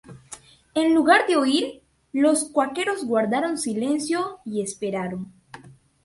En lugar de huir, los cuáqueros guardaron silencio y esperaron.